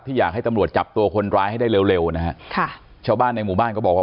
อยากให้ตำรวจจับตัวคนร้ายให้ได้เร็วเร็วนะฮะค่ะชาวบ้านในหมู่บ้านก็บอกว่า